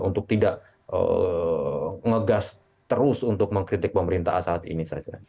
untuk tidak ngegas terus untuk mengkritik pemerintah saat ini saja